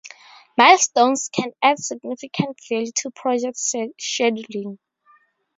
Milestones can add significant value to project scheduling.